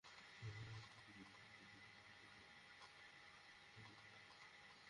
এমন করো যেন মনে হয় আমরা অদৃশ্য হয়ে গেছি।